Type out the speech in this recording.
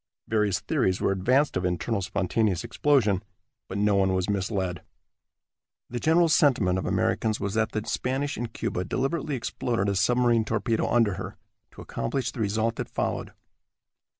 Various theories were advanced of internal spontaneous explosion, but no one was misled. The general sentiment of Americans was that the Spanish in Cuba deliberately exploded a submarine torpedo under her, to accomplish the result that followed.